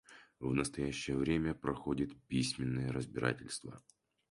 В настоящее время проходит письменное разбирательство.